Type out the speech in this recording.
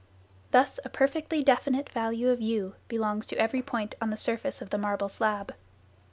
Thus a perfectly definite value of u belongs to every point on the surface of the marble slab.